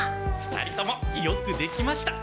２人ともよくできました！